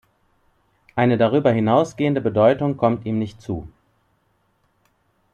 Eine darüber hinausgehende Bedeutung kommt ihm nicht zu.